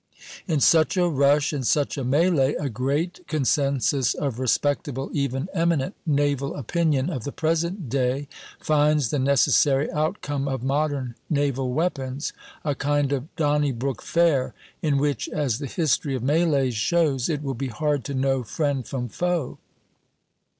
In such a rush and such a mêlée a great consensus of respectable, even eminent, naval opinion of the present day finds the necessary outcome of modern naval weapons, a kind of Donnybrook Fair, in which, as the history of mêlées shows, it will be hard to know friend from foe.